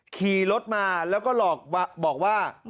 ขี่รถมาแล้วก็บอกว่า